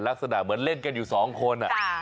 ลักษณะเหมือนเล่นกันอยู่๒คน